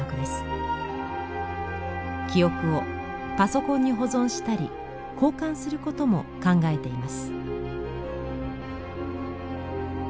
記憶をパソコンに保存したり交換することも考えています。